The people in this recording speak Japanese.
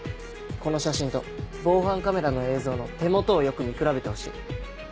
この写真と防犯カメラの映像の手元をよく見比べてほしい。